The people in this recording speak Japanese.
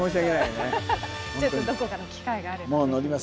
どこかの機会があれば。